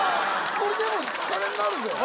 これ、でも金になるぜ。